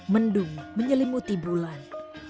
mendung menyelimuti bulan